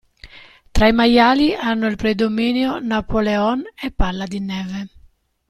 Tra i maiali hanno il predominio Napoleon e Palla di Neve.